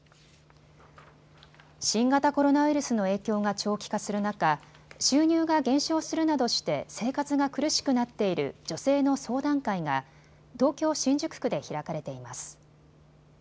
新型コロナウイルスの影響が長期化する中、収入が減少するなどして生活が苦しくなっている女性の相談会が東京新宿区で開かれています。